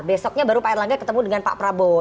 besoknya baru pak erlangga ketemu dengan pak prabowo